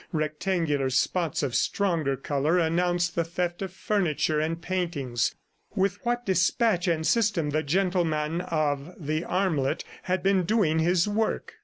Rectangular spots of stronger color announced the theft of furniture and paintings. With what despatch and system the gentleman of the armlet had been doing his work!